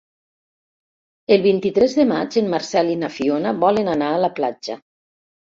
El vint-i-tres de maig en Marcel i na Fiona volen anar a la platja.